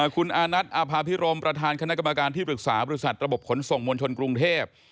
คุณอานัทอาภาพิรมประธานคณะกรรมการที่ปรึกษาบริษัทระบบขนส่งมวลชนกรุงเทพ